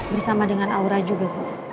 bersama dengan aura juga